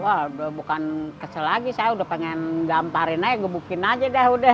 wah udah bukan kecil lagi saya udah pengen gamparin aja gebukin aja deh